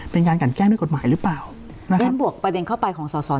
เป็นการกันแก้ดด้วยกฎหมายหรือเปล่าแอ้มบวกประเด็นเข้าไปของสอดสอน